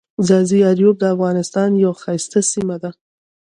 ځاځي اریوب دافغانستان یوه ښایسته سیمه ده.